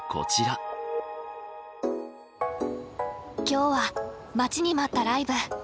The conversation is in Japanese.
今日は待ちに待ったライブ。